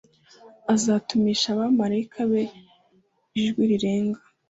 azatumisha abamarayika be ijwi rirenga